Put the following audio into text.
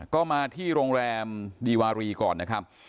ก็มาที่โรงแรมดีวารีก่อนนะครับ